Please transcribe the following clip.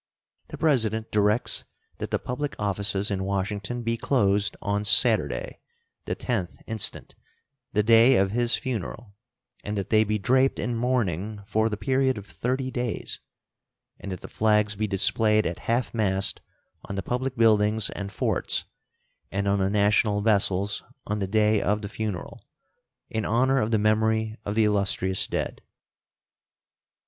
The President directs that the public offices in Washington be closed on Saturday, the 10th instant, the day of his funeral, and that they be draped in mourning for the period of thirty days, and that the flags be displayed at half mast on the public buildings and forts and on the national vessels on the day of the funeral, in honor of the memory of the illustrious dead.